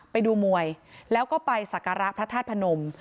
ไปดูมวยแล้วก็ไปสักการะพระธาตุพนม